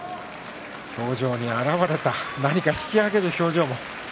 表情にあらわれた何か引き揚げる表情も。